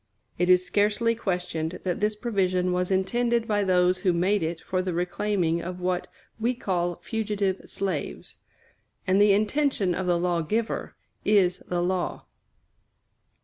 It is scarcely questioned that this provision was intended by those who made it for the reclaiming of what we call fugitive slaves; and the intention of the law giver is the law.